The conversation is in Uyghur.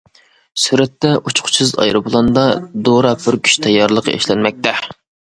سۈرەتتە: ئۇچقۇچىسىز ئايروپىلاندا دورا پۈركۈش تەييارلىقى ئىشلەنمەكتە.